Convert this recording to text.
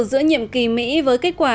giữa nhiệm kỳ mỹ với kết quả